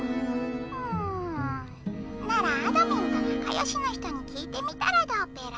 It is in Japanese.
「うんならあどミンとなかよしの人に聞いてみたらどうペラ？」。